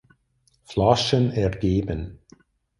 Flaschen ergeben.